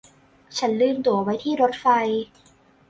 ฉันลืมตั๋วไว้ที่รถไฟ